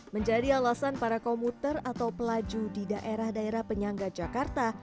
menjadi alasan para komuter atau pelaju di daerah daerah penyangga jakarta